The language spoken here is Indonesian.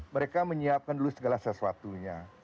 mereka menyiapkan dulu segala sesuatunya